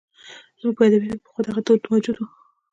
زموږ په ادبیاتو کې پخوا دغه دود موجود و.